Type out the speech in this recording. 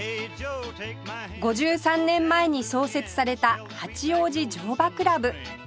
５３年前に創設された八王子乗馬倶楽部